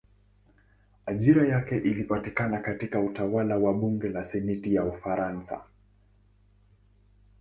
Ajira yake ilipatikana katika utawala wa bunge la senati ya Ufaransa.